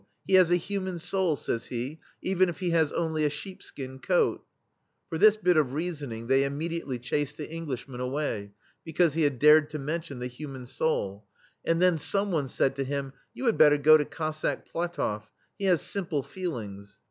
He has a human soul,'* says he, "even if he has only a sheepskin coat/' For this bit of reasoning they imme diately chased the Englishman away, — because he had dared to mention the human souL And then some one said to him: "You had better go to Cossack Platofl?" — he has simple feelings."